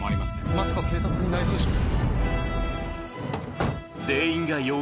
まさか警察に内通者が？